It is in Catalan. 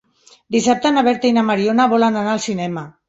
Dissabte na Berta i na Mariona volen anar al cinema.